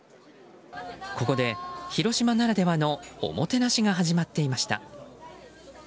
ここで、広島ならではのおもてなしが始まっていました。